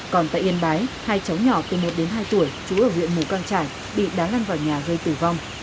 còn tại yên bái hai cháu nhỏ từ một đến hai tuổi trú ở huyện mù căng trải bị đá lăn vào nhà gây tử vong